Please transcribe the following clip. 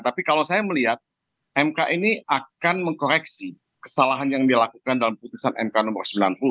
tapi kalau saya melihat mk ini akan mengkoreksi kesalahan yang dilakukan dalam putusan mk nomor sembilan puluh